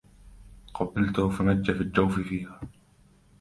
قبلته فمج في جوف فيها